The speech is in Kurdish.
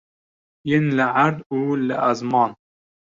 Yên li erd û li ezman.